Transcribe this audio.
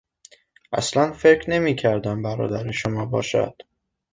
اصلا فکر نمیکردم برادر شما باشد!